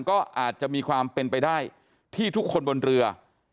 ก็อาจจะมีความเป็นไปได้ที่ทุกคนบนเรือ